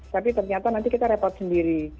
tapi ternyata nanti kita repot sendiri